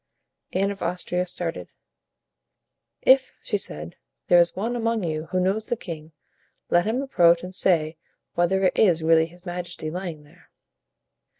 Anne of Austria started. "If," she said, "there is one among you who knows the king, let him approach and say whether it is really his majesty lying there."